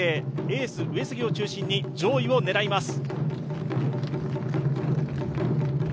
エース・上杉を中心に上位を狙います。